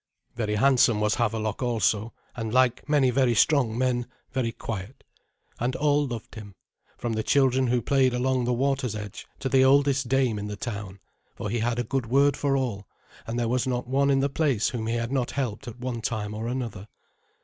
Very handsome was Havelok also, and, like many very strong men, very quiet. And all loved him, from the children who played along the water's edge to the oldest dame in the town; for he had a good word for all, and there was not one in the place whom he had not helped at one time or another.